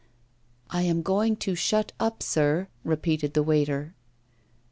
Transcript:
'I am going to shut up, sir,' repeated the waiter.